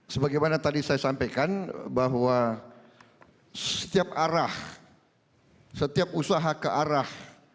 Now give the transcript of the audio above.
sebagaimana tadi saya sampaikan bahwa setiap arah setiap usaha ke arah